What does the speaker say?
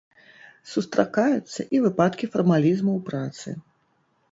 Сустракаюцца і выпадкі фармалізму ў працы.